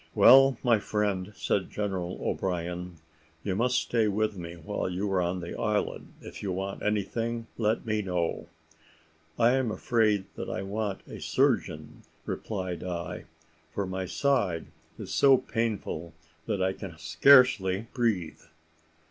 "Well, my friend," said General O'Brien, "you must stay with me while you are on the island; if you want anything, let me know." "I am afraid that I want a surgeon," replied I; "for my side is so painful, that I can scarcely breathe."